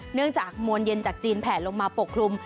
เนื่องจากมวลเย็นจากจีนแผลลงมาปกคลุม